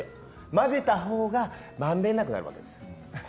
混ぜたほうがまんべんなくなるわけです。